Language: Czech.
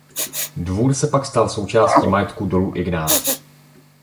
Dvůr se pak stal součástí majetku Dolu Ignát.